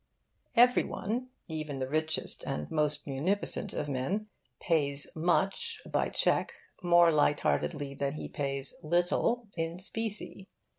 Every one, even the richest and most munificent of men, pays much by cheque more light heartedly than he pays little in specie.